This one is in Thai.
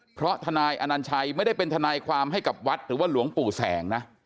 เพราะทนายอนัญชัยไม่ได้เป็นทนายความให้กับวัดหรือว่าหลวงปู่แสงนะ